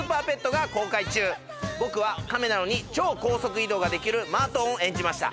僕はカメなのに超高速移動ができるマートンを演じました。